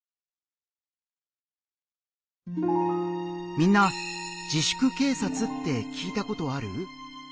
みんな「自粛警察」って聞いたことある？